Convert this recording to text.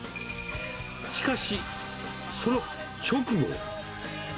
しかし、その直後。